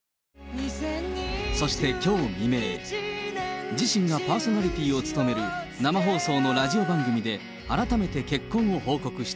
そして、きょう未明、自身がパーソナリティーを務める生放送のラジオ番組で、改めて結婚を報告した。